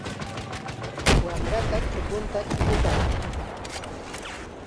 Wamrata chukunta chukupay.